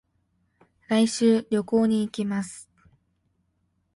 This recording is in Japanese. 来週、旅行に行きます。